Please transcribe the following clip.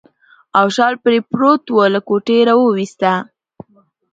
او شال پرې پروت و، له کوټې راوایسته.